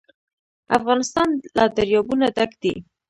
افغانستان له دریابونه ډک دی.